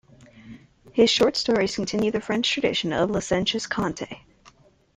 His short stories continue the French tradition of the licentious "conte".